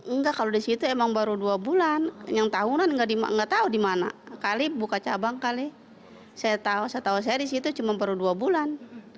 enggak kalau di situ emang baru dua bulan yang tahunan nggak tahu di mana kali buka cabang kali saya tahu setahu saya disitu cuma baru dua bulan